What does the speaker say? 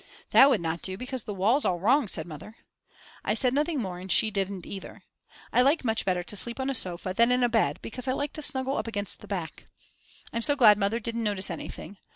That would not do because the wall's all wrong said Mother. I said nothing more and she didn't either. I like much better to sleep on a sofa than in a bed, because I like to snuggle up against the back. I'm so glad Mother didn't notice anything.